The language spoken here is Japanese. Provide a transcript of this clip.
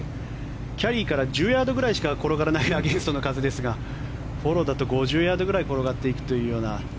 キャリーから１０ヤードぐらいしか転がらないアゲンストの風ですがフォローだと５０ヤードくらい転がっていくというような。